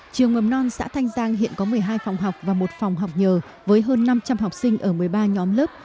trường mầm non xã thanh giang hiện có một mươi hai phòng học và một phòng học nhờ với hơn năm trăm linh học sinh ở một mươi ba nhóm lớp